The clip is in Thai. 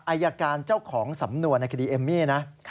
อายการเจ้าของสำนวนในคดีเอมมี่นะ